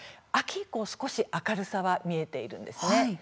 秋以降、少し明るさは見えています。